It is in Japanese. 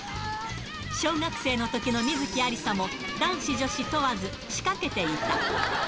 小学生のときの観月ありさも、男子女子問わず、仕掛けていた。